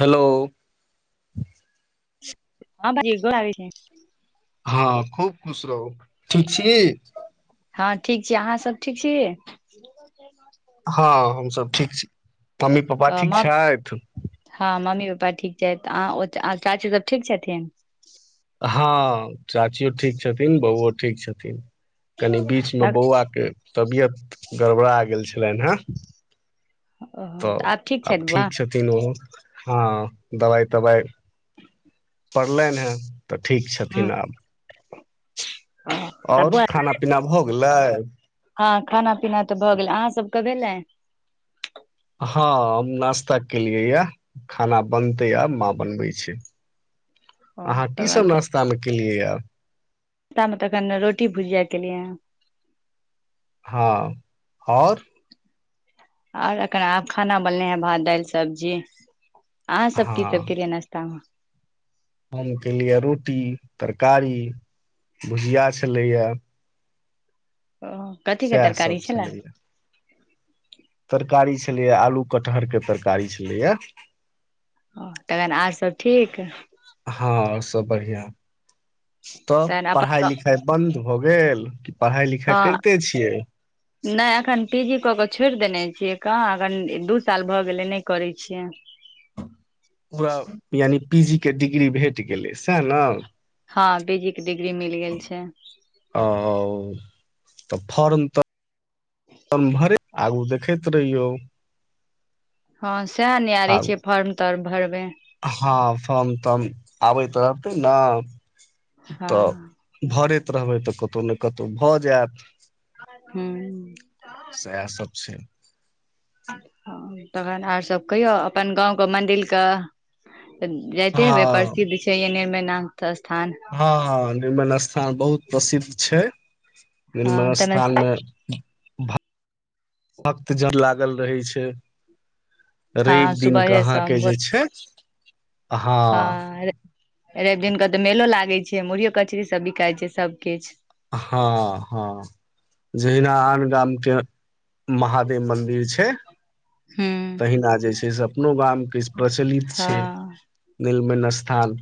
Hello. हँ बाजी गोर लागय छी। हँ खूब खुश रहू ठीक छी। हँ ठीक छी अहाँ सब ठीक छीय। हँ हम सब ठीक छी। मम्मी पप्पा ठीक छैथ। पपा ठीक छैत अ चाची सब ठीक छथिन। हँ चाचियो ठीक छथिन बौओ ठीक छथिन। कनि बीच मे ओ बौआ के तबियत गड़बड़ा गेल छै। नि हँ। तऽ आब ठीक छथिन ओहो। हँ दबाइ तबाइ पड़लै हे। तऽ ठीक छथिन आब। तऽ आओर बौआ खाना पीना भौ गेल। लै। कबे लै। हँ हम नाास्ता केलियै यए खाना बनतै य माँ बनबै छी। ओ अहाँ की सब नाास्ता मे। के लिए या। म त अखन रोटी भुजिया क लिय। हँ आओर। आर आब खाना बनले हैं भात दालि सब्जी। अहाँ सब की सब हँ कलिये नाश्ता में। हम केलियै रोटी तरकारी भुजिया छलैए। ओ कथी के तरकारी सब छला। छलैया तरकारी छलैए आलू कटहरके तरकारी छलैए। ओ तखन आर सब ठीक। हँ आओर सब बढ़िआँ। तब तहन पढ़ाइ अपन लिखाइ बन्द। भौ गेल। पढ़ाई लिखाई हँ करिते छियै नहि एखन पी जी कऽ के छोड़ देने। छियै कह अगन दू साल भऽ गेलै नहि करै छियै। पूरा यानि। पीजी के डिग्री भेट गेलै सैह न। हँ बीजी के डिग्री मिल गेल छै। ओ तऽ फर्म तऽ। न भर आगू देख। देखैत रहियौ। हँ सएह नियारै आगू छिये फर्म तर्म। भरबै। हँ फर्म तर्म आबैत रहते न। हँ तऽ भरैत। रहबै तऽ कतहु ने कतहु भऽ जायत। हू। सएह सब छै ह तहन आरसब कहियौ अपन गाँवक मन्दिरकऽ। त जाइते हेबै हँ प्रसिद्ध छै एने मैना। तस। हँ निर्मल स्थान बहुत। प्रसिद्ध छै। हँ निर्मल तमे स्थानमे। भक भक्त जन लागल रहै छै। हँ रैबदिन क अहाँके जे छै। हँ हां। रैवदिन क तऽ मेलो लागै छै मुरहीयो कचरी सब बिकाइ छै सबकिछ। हँ हँ जहिना आन गामके महादेव मन्दिर छै। हूँ तहिना जे छै से अपनो गाम किछ प्रचलित छै। हँ निरस्थान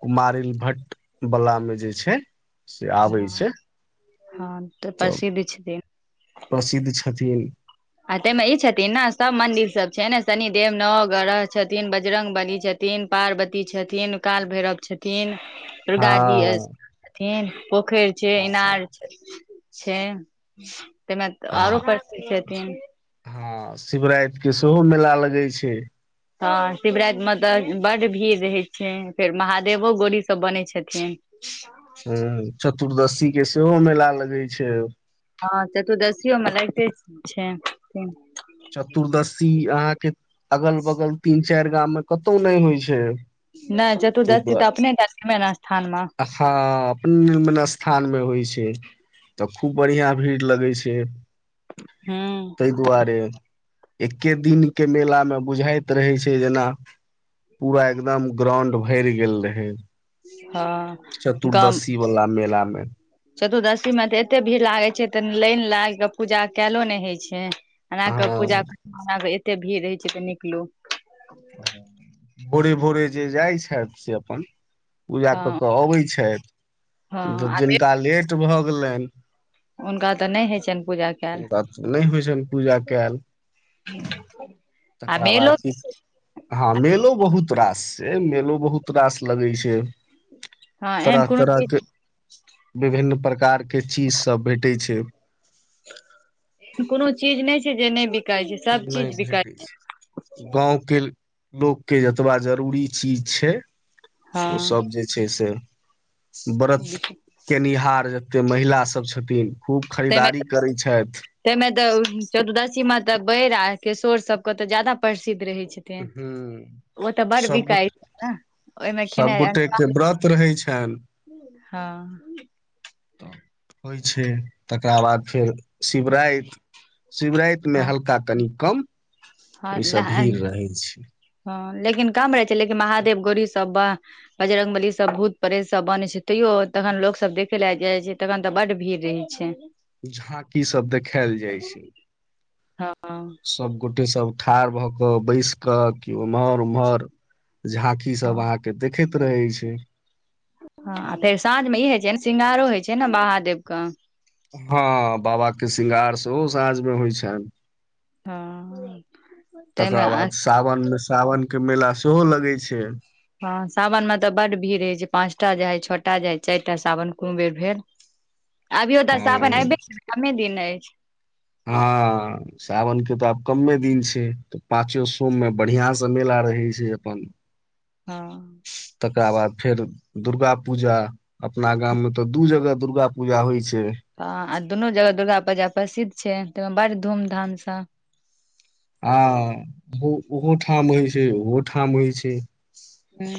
कुमारैल भट्ट वला मे जे छै। से आबै। छै हँ तऽ प्रसिद्ध छै। प्रसिद्ध छथिन। आ तइमे ई छथिन ने सब मंदिर सब छै ने। शनिदेव नवग्रह छथिन बजरंगबली छथिन पार्वती छथिन काल भैरव छथिन। हँ। फेन। पोखइर छै हँ इनार छै। छैम। तमे आरो आ पर छै। [inaudible] हँ शिवरायत के सेहो मेला लगै छै। हँ शिवरातिमे तऽ बड्ड भीड़ रहै छै फेर महादेवो गोरीसभ बनै छथिन। क। ह चतुर्दशी के सेहो मेला लगे छै। हँ चतुर्दशीयो में रहिते छैन। चतुर्दशी अहां के। के अगल बगल तीन चार गाम में कतौ नहि होइ छै। नहि ताहि चतुर्दशी तऽ दुआरे अपने त गमे ने स्थानमे। निर्मन स्थान मे होइ छै तऽ खूब बढ़ियां भीड़ लगै छै। हँ। एक्के दिनके मेलामे बुझाइत रहै छै जेना। पूरा एकदम ग्राउंड। भरि गेल रहै। हँ चतुर्दशी वला मेला में। [inaudible] चतुर्दशीमे तऽ एते भीड़ लागै छै तऽ लाइन लागि कऽ पूजा कलो नहि होइ छै। एना क हँ पूजा कर एते। भी रहै छै तऽ निकलो। [inaudible] भोरे भोरे जे जाइ छथ से अपन पूजा कऽ हँ कऽ अबैत छथि तऽ हँ आ जिनका लेट। भऽ गेल गेलनि। हुनका तऽ नहि होइ छनि पूजा कयल। हुनका नहि होइ छनि पूजा कयल तकरा बाद कि हँ मेलो बहुत रास छै मेलो बहुत रास लगै छै। हँ एहन तरह कोनो तरहके। चीज विभिन्न प्रकारके। के चीज सब भेटै छै। कोनो चीज नहि जे नय। नहि भेटै छै गाँवके। लोक के जतबा जरूरी चीज छै। हँ ओसभ जे छै से। व्रत केनिहार। एते महिला सब छथिन। खूब तमे खरीदारी करै छथि तमे तऽ चतुर्दशीमे तऽ। बढ़ आ के सोर सब के तऽ जदा परस। रह छथिन हूँ ओ तऽ बड़ सबगोट बिकाय छै न ओहिमे खैनय सभगोटे के व्रत रहै छनि हाँ। तऽ होइ छै तकरा बाद फेर शिवराइत। शिवरातिमे हँ हल्का तनी। कम। ओहिसँ हँ भीड़ रहै छै। हँ लेकिन कम रहै छै लेकिन महादेव गौरी सब ब बजरंग बली सब भूत प्रेत सब बन छै तैयो तखन लोको सब देखे ल जाइ छै तखन तऽ बड्ड भीड़ रहै छै। झाँकीसभ देखायल जाइ छै। हँ। तब ठाढ़ भऽ कऽ बैस। क क उम्हहार उम्हहार। ह रहै छै ह फेर साँझमे ई होइ छै ने श्रृंगारो होइ छै ने महादेव। क। हँ बाबाके श्रृंगार सेहो साँझमे होइ छैन। हँ तमे। सावनके मेला सेहो लगै छै। ह सावन मे तऽ बड्ड भीड़ रहइ छै पाँचटा जाइ छओटा जाय चारि टा सावन कोनो बेर भेल। अभियो तऽ सावन ह अयबे कमे दिन अछि हँ साावन के तऽ आब कम्मे। दिन छै तऽ पाचो सोम मे बढ़िआं से मेला रहै छै अपन। हँ। तकरा बाद फेर दुर्गा पूजा अपना गाम मे तऽ दू जगह दुर्गा पूजा होइ छै। हँ आ दुनू जगह दुर्गा पूजा प्रसिद्ध छै। तहि बड़ धूम धामसँ। आ ओ ओहो ठाम होइ छै ओहो ठाम होइ छै।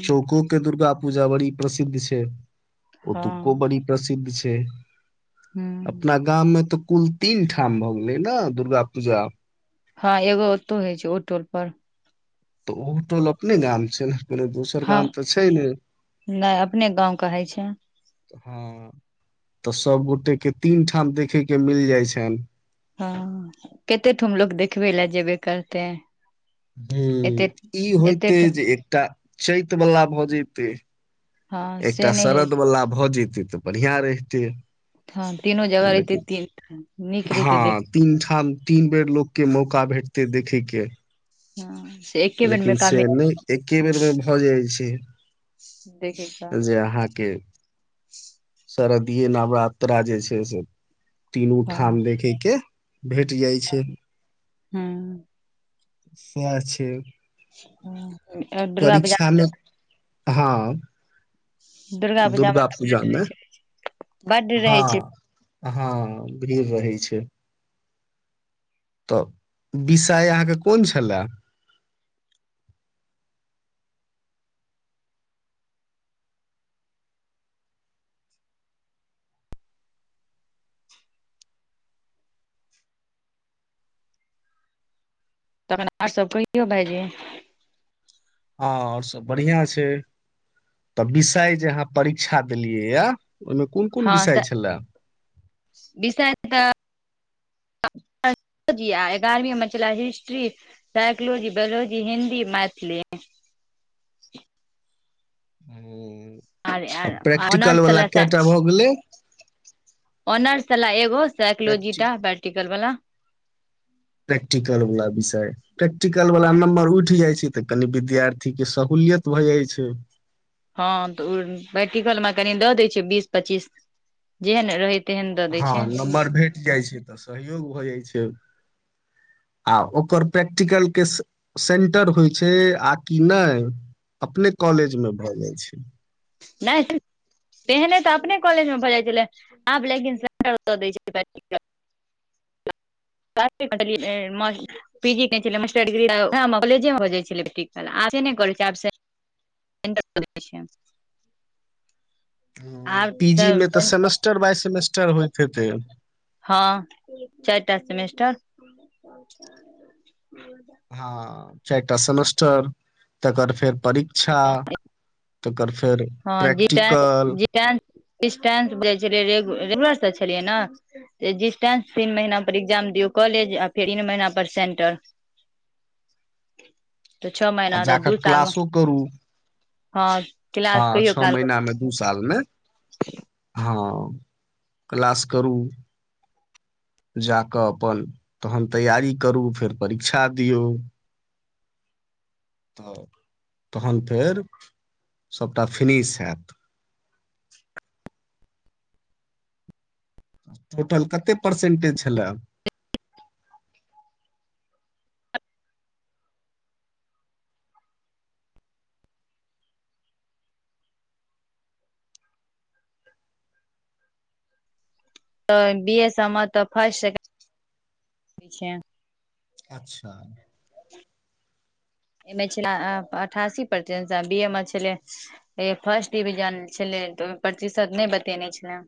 चौको के दुर्गा। पूजा बड़ी प्रसिद्ध छै। ओ तुको हँ बड़ी प्रसिद्ध छै। ते। हूँ अपना गाममे तऽ। कुल तीन ठाम भऽ गेलै ने दुर्गा पूजा। हँ एगो तो होइ छै ओटोल पर। तऽ ओ टोल अपने गाम छै ने। कोनो दोसर हँ गाम तऽ छै ने नहि अपने गाँव कहै छै। हँ तऽ सबगोटे के तीन ठाम देखेके मिल जाइ छनि। हँ कते ठम लोग देखबे लए जेबे करते है। ह ई एते होइत जे एकटा। चैत बला भऽ जतै। हँ से एकटा नहि हय शरदवला भजीत। तऽ बढियां रहिते। हँ तीनो जगह रहितै लेकिन तीन नीक रहितै हँ तीन देख। ठाम तीन बेर लोकके मौका भेटतै देखैके। हाँ, से एके बेर लेकिन मे काम से नहि एके बेर मे भऽ जाइ छै। देखे के जे अहाँके। त दिय नवरात्रा जे छै से। तीनूठाम हँ देखैके। भेट जाइ छै। हूँ स छै। से। ह दुर्गा बजार में मे त। हँ दुर्गा पूजामेब पूजा मे बड्ड रहै छै। हँ हँ भीड़ रहै छै। तऽ विषय अहाँके कोन छलए। तखन आर सब कहियो भायजी। हँ आओर सभ बढ़िआँ छै तऽ विषय जेहाँ परीक्षा देलियै यए। ओहिमे कोन कोन हँ विषय छलए विषय तऽ। लजी आ एगारहवींमे चला history psychology biology Hindi Maithili. हँ। आर आ आर प्रैक्टिकल ऑनर्स वला कै टा भऽ गेलै। ह। ओनार्स छलै एगो। सइकोलोजी प्रैक्टि टा प्रैक्टिकल। करल बला। प्रैक्टिकल वला विषय प्रैक्टिकल वला हँ नम्बर उठि जाइ छै। तऽ कनि विद्यार्थी के सहूलियत भए जाइ छै। हँ तऽ ओ पैटिकल मे कनि दऽ दै छै बीस पच्चीस जेहन रहैत। हँ नम्बर भेट जाइ छै तऽ सहयोग भऽ जाइ छै। आ ओकर प्रैक्टिकलके सेन्टर होइत छै आ कि नय अपने कॉलेजमे भऽ जाइ छै। नहि तेहने तऽ अपने कॉलेजमे भऽ जाइत छलै आब लेकिन दऽ दैत छलैट पीजी कह छलै मास्टर डिग्रीए कॉलेजेमे भऽ जाइत छलै बैट्रल आब से कॉ छै आब। [unintelligible] आब पी जी मे सब तऽ सेंटर सेमेस्टर बाय सेमेस्टर। चढ़बइत होइ त। हँ चारिटा सेमेस्टर। हँ। चारटा सेमस्टर तपर फेर। परीक्षा त पर फेर हँ जिटें प्रैक्टिकल। एम्हार से छलीय ना त जिस टाइम तीन महीना पर एग्जाम दिउ कॉलेज आ फिर इन महीना पर सेंटर। तऽ छओ आ महीना तऽ जाक दू साल मे क्लासो करू। हँ। क्लास हँ कहियो छओ काल महिना मे दू साल मे हँ। क्लास करू जा क अपन तहन तैयारी करू फेर परीक्षा दियौ। तऽ तहन फेर सभटा फनिश हयत। टोटल कते। परसेंटेज छल। [inaudible] तऽ बी एस तऽ फर्स्ट सेकंड छै। अच्छा। एहिमे छल अठासी परसेंट बी ए मे छलै फर्स्ट डिविजन छलै तऽ ओहिमे प्रतिशत नहि बतेने छलै।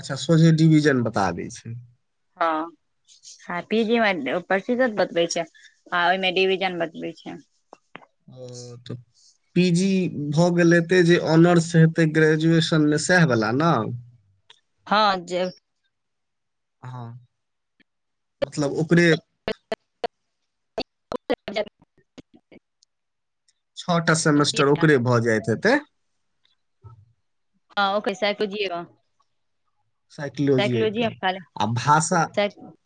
अच्छा सोझे डिविजन बता दै छै। हँ ह अच्छा, पीजी में। शीत बतबै छै आ ओहिमे डिविजन बतबै छै। ओ तऽ पी जी। हो गेलय ते जय ओनर्स हैते ग्रेजुएशन में सेहे बला ना। हँ जे। हँ मतलब ओकरे। [unintelligible] छओटा सेमेस्टर ओकरे भऽ जाइत हेतै। ह ओकरे जीवा। साइकलॉजी आ भाषा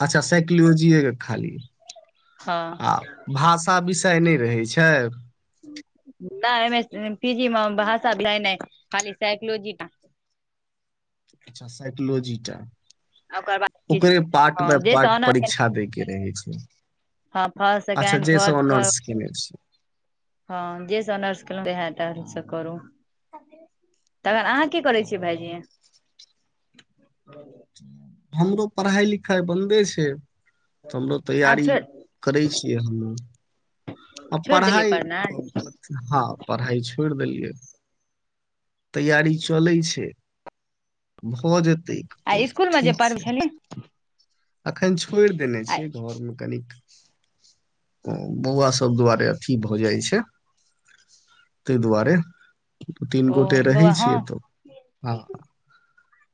अच्छा साक। लियौजइए खाली। हँ आ भाषा विशेष। त नहि रहै छै। नहिमे पीजी भाषा बला नय खाली साइकलजी टा। अच्छा साइकोलॉजी। जा। ओकर बाद किछ ओकरे पार्ट हँ बाय जाहिसँ पार्ट ऑनर्स परीक्षा देै के रहै छै। हँ फर्स्ट अच्छा सेकेंड जेस थर्ड ओनर्स कैने छी। हँ जे सब आनर्स केलहु वह करू। अब। तखन अहाँ की करै छियै भायइजी। ह। हमरो पढ़ाइ लिखाइ बन्दे छै। तऽ हमरो आब तैयारी छोड़ करै छियै हम। आ छोड़ि देलियै पढ़ाइ पढ़नाइ हँ पढ़ाइ छोड़ि देलियै। य। तैयारी चलै छै भऽ जेतै। आ इसकुलमे जे पढ़बै छली। एखन छोड़ि देने छियै घरमे कनिक। ओ बौआ सभ दुआरे अथी भऽ जाइ छै ताहि दुआरे। तीन ओ गोटे रहै बौआ हँ छियै तऽ हँ।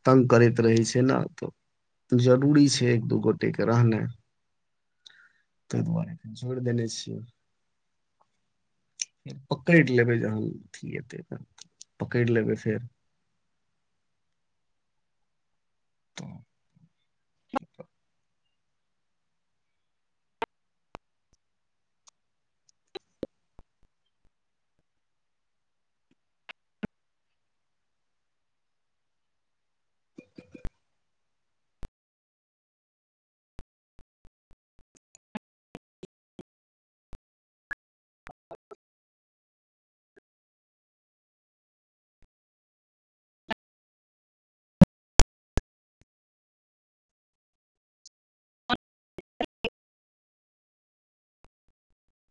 तंग करैत रहै छै ने तऽ जरूरी छै। एक दू गोटे के रहने ताहि दुआरे फेर छोड़ देने छियै फे पकड़ लेबै जहन ए त पकड़ि लेबै फेर। तऽ। ठ। आ।